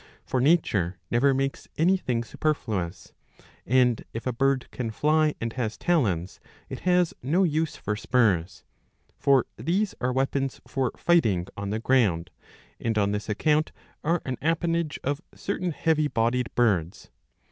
For nature never makes anything superfluous ; and if a bird can fly, and has talons, it has no use for spurs ; for these are weapons for fighting on the ground, and on this account are an appanage of certain heavy bodied birds.